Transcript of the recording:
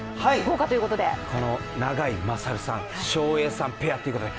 永井大さん・照英さんペアということで。